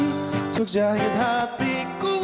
untuk jahit hatiku